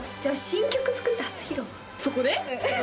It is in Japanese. そこで？